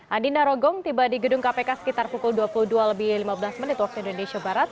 andi narogong tiba di gedung kpk sekitar pukul dua puluh dua lebih lima belas menit waktu indonesia barat